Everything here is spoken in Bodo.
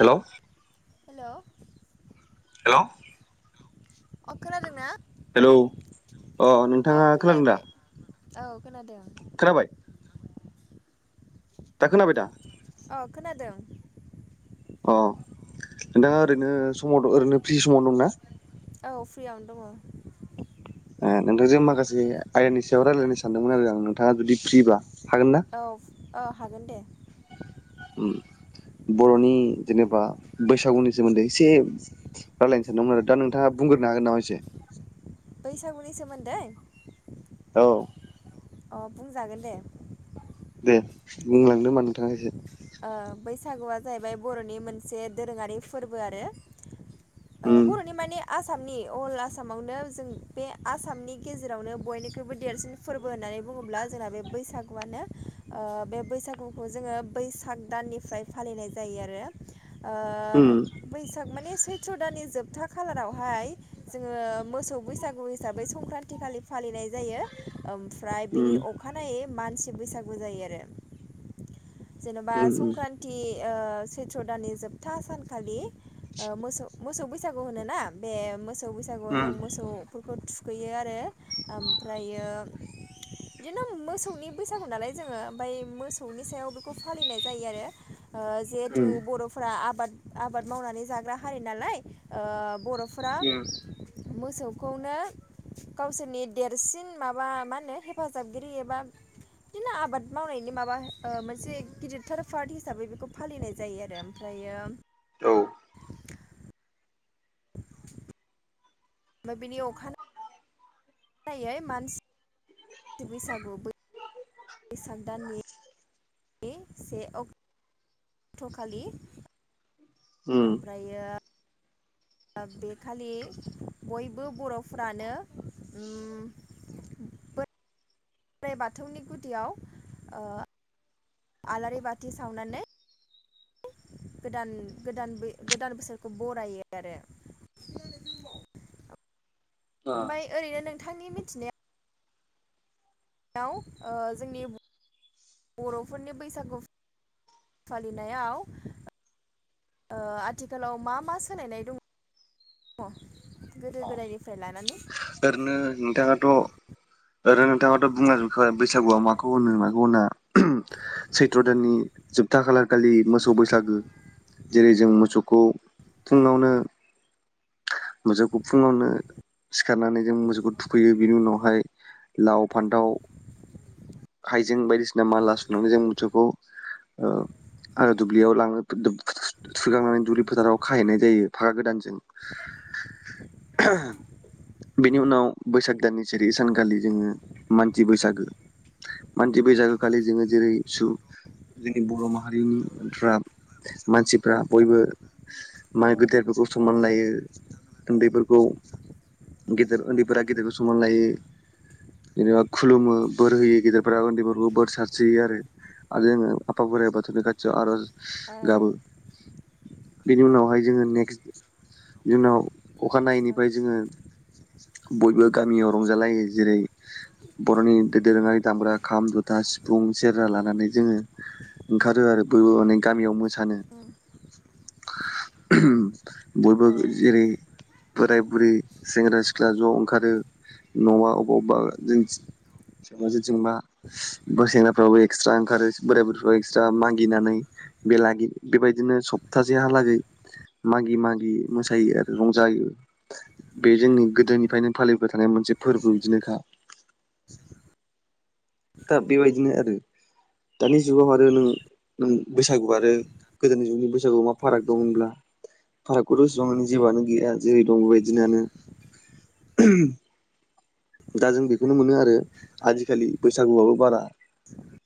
हेल' हेलौ हेलौ अ खोनादों ना? हेलौ अ नोंथाङा खोनादों खोनायाखै दा? औ खोनादों। खोनाबाय दा खोनाबाय दा औ खोनादों। अ नोंथाङा ओरैनो समाव ओरैनो फ्रि समाव दंना? औ फ्रियावनो दङ। नोंथांजों माखासे आयेननि सायाव रायजलायनो सानदोंमोन आरो आं नोंथाङा जुदि फ्रिबा हागोन ना? औ औ हागोन दे बर'नि जेनेबा बैसागुनि सोमोन्दै एसे रायलायनोानदों आरो दा नोंथाङा बुंग्रो हागोन नामा एसे। बैसागुनि सोमोन्दै औ अ बुंजागोन दे। दे बुंलांदो होमबा नोंथाङा एसे। बैसागुआ जाहैबाय बर'नि मोनसे दोरोङारि फोरबो आरो। आ उम बर'नि माने आसामनि अल आसामावनो जों बे आसामनि गेजेरावनो बयनिख्रुइबो देरसिन फोरबो होननानै बुङोब्ला जोंना बे बैसागुआनो बे बैसागुखौ जोङो बैसाग दाननिफ्राय फालिनाय जायो आरो उम ओ बैसाग माने सैथ्र' दाननि जोबथा खालारावहाय जोङो मोसौ बैसागु हिसाबै संक्रान्त थिखालि फालिनाय जायो ओमफ्राय उम बिनि अखानायै मानसि बैसागु जायो आरो जेन'बा उम संक्रान्ति सैथ्र' दाननि जोबथा सानखालि मोसौ मोसौ बैसागु होनोना बे मोसौ बैसागुआव उम जों मोसौ फोरखौ थुखैयो आरो ओमफ्रायो बिदिनो मोसौनि बैसागु नालाय जोङो ओमफ्राय मोसौनि सायाव खौ फालिनाय जायो आरो उम जिहेथु बर'फोरा आबाद आबाद मावनानै जाग्रा हारि नालाय बर'फोरा उम मोसौखौनो गावसोरनि देरसिन माबा मा होनो हेफाजाबगिरि एबा बिदिनो आबाद मावनायनि माबा मोनसे ए गिदिरथार पार्ट हिसाबै बेखौ फालिनाय जायो आरो ओमफ्रायो औ [unintelligible] ओमफ्राय बिनि अखा नायै मानसि बैसागु बै बैसाग दाननि से अक्ट' 'खालि उम ओमफ्रायो बेखालि बयबो बर'फोरानो बोराइ बाथौनि गुदियाव आलारि बाथि सावनानै गोदान गोदान गोदान बोसोरखौ बरायो आरो ओ ओमफ्राय ओरैनो नोंथांनि मिथिनायाव जोंनि बर'फोरनि बैसागु फालिनायाव आथिखालाव मा मा सोलायनाय दं गोदो गोदायनिफ्राय लानानै ओरैनो नोंथाङाथ' ओरैनो नोंथाङाथ' बुंलांजोबखाबाय बैसागुआ मा माखौ होनो माखौ होना सैथ्र दाननि जोबथा खालारखालि मोसौ बैसागो जेरै जों मोसौखौ फुंङावनो मोसौखौ फुङावनो सिखारनानै जों मोसौखौ थुखैयो बिनि उनावहाय लाव फानथाव हाइजें बायदिसिना माला सुनानै जों मोसौखौ ओ आरो दुब्लियाव लाङो थुखैखांनानै दुब्लि फोथाराव खाहैनाय जायो फागा गोदानजों [inaudible] [unintelligible] बेनि उनाव बैसाग दाननि से‌ सानखालि जोङो मानसि बैसागो मानसि बैसागोखालि जोङो जेरै सुबुं जोंनि बर' माहारिनि मानसिफ्रा बयबो औ माइ गेदेरफोरखौ सनमान लायो उनदैफोरखौ ओ गेदेर उन्दैफोरा गेदिरखौ समान लायो जेनेबा खुलुमो बोर होयो गेदेरफ्रा उन्दैफोरखौ बोर सारस्रियो आरो आरो आफा बोराय बाथौनि खाथि आरो आर औ गाबो औ बेनि उनावहाय जोङो नेक्स्ट जुनाव अखानायैनिफ्राय जोङो बयबो गामियाव रंजालायो जेरै बर'नि दोरोङारि दामग्रा खाम, जथा, सिफुं, सेराजा लानानै जोङो ओंखारो आरो बयबो माने गामियाव मोसानो बयबो औ जेरै बोराय-बुरै सेंग्रा सिख्ला ज' ओंखारो न' अबावबा जों जेंजोंबा सेंग्राफ्राबो एक्सट्रा ओंखारो बोराय बुरैफ्राव एक्सट्रा मागिनानै बेलागि बेबायदिनो सप्तासेहालागै मागि मागि मोसायो आरो रंजायो। बे जोंनि गोदोनिफ्रायनो फालिबाय थानाय मोनसे फोरबो बिदिनोखा दा बेबादिनो आरो दानि जुगाव आरो नों नों बैसागु आरो गोदोनि जुगनि बैसागुआव मा फाराग दं होनब्लानो फारागखौथ'बांनो जेबोआनो गैया जेरै दं बेबादियानो दा जों बेखौनो मोनो आरो आजिखालि बैसागुआबो बारानो [inaudible]